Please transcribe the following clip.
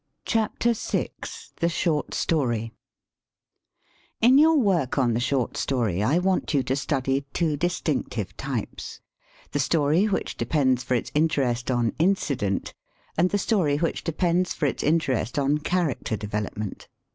W. EMERSON. VI THE SHORT STORY IN your work on the short story I want you to study two distinctive types: the story which depends for its interest on in cident and the story which depends for its interest on character development.